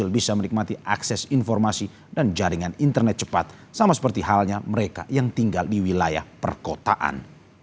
bisa menikmati akses informasi dan jaringan internet cepat sama seperti halnya mereka yang tinggal di wilayah perkotaan